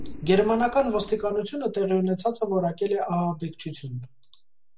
Գերմանական ոստիկանությունը տեղի ունեցածը որակել է ահաբեկչություն։